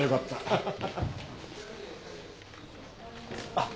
あっ。